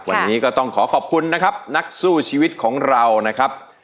วันนี้ก็ต้องขอขอบคุณนะครับนักสู้ชีวิตของเรานะครับ